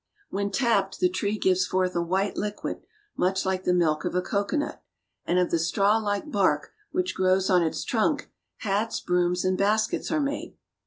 When tapped the tree gives forth a white liquid much like the milk of a cocoanut, and of the strawlike bark, which grows on its trunk, hats, brooms, and baskets are made.